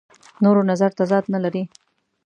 نورو نظر تضاد نه لري.